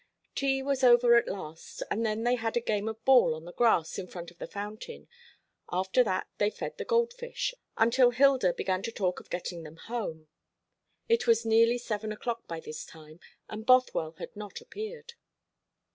Tea was over at last, and then they had a game at ball on the grass in front of the fountain; after that they fed the gold fish, until Hilda began to talk of getting them home. It was nearly seven o'clock by this time, and Bothwell had not appeared.